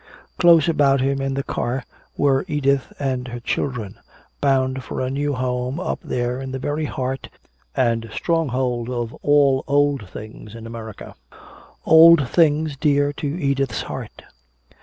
Close about him in the car were Edith and her children, bound for a new home up there in the very heart and stronghold of all old things in America. Old things dear to Edith's heart.